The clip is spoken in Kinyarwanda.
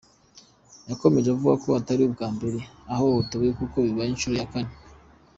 Yakomerje avuga ko atari ubwa mbere ahohotewe kuko bibaye inshuro ya kane.